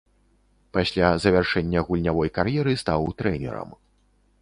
Пасля завяршэння гульнявой кар'еры стаў трэнерам.